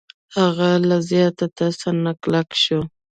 هغه له زیات ترس نه کلک شو.